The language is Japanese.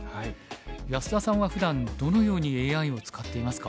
安田さんはふだんどのようにＡＩを使っていますか？